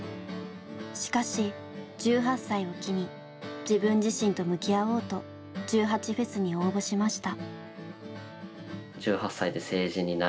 しかし１８歳を機に自分自身と向き合おうと１８祭に応募しました。